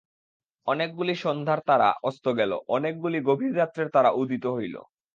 অনেকগুলি সন্ধ্যার তারা অস্ত গেল, অনেকগুলি গভীর রাত্রের তারা উদিত হইল।